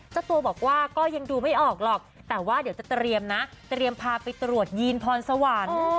เจ้าตัวบอกว่าก็ยังดูไม่ออกหรอกแต่ว่าเดี๋ยวจะเตรียมนะเตรียมพาไปตรวจยีนพรสวรรค์